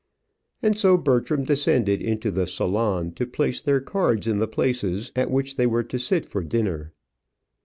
And so Bertram descended into the salon to place their cards in the places at which they were to sit for dinner.